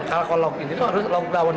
kalau login itu harus lockdown